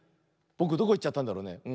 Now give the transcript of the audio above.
ぼくどこいっちゃったんだろうね。